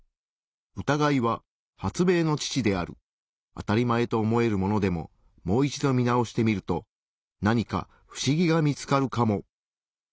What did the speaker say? あたりまえと思えるものでももう一度見直してみると何か不思議が見つかるかも。